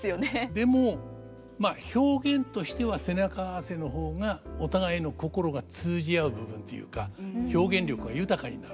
でもまあ表現としては背中合わせの方がお互いの心が通じ合う部分ていうか表現力が豊かになるんですね。